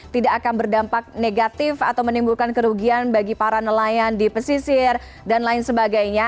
tidak akan berdampak negatif atau menimbulkan kerugian bagi para nelayan di pesisir dan lain sebagainya